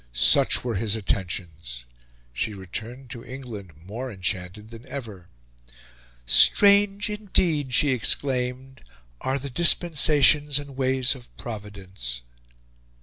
Such were his attentions. She returned to England more enchanted than ever. "Strange indeed," she exclaimed, "are the dispensations and ways of Providence!"